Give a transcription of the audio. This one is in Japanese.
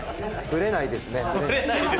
ブレないですね。